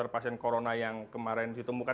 pasien corona yang kemarin ditemukan